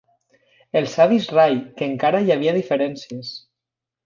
Els avis rai, que encara hi havia diferències!